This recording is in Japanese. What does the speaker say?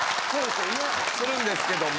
するんですけども。